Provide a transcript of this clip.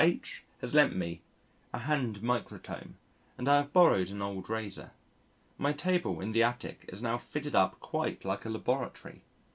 H has lent me a hand microtome and I have borrowed an old razor. My table in the Attic is now fitted up quite like a Laboratory.